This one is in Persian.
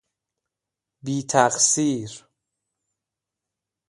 بی تقصیر